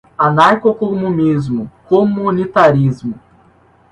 Anarcocomunismo, comunitarismo